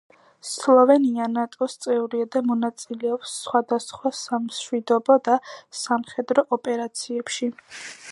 სლოვენია ნატო-ს წევრია და მონაწილეობს სხვადასხვა სამშვიდობო და სამხედრო ოპერაციებში.